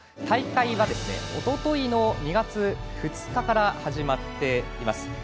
大会はおとといの２月２日から始まっています。